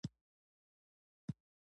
د پنځلس کلنې اسرې تر څنګ زه ملګرتیا وکړم.